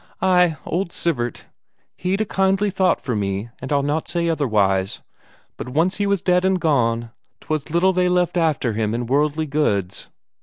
"Ay, old Sivert, he'd a kindly thought for me, and I'll not say otherwise. But once he was dead and gone, 'twas little they left after him in worldly goods.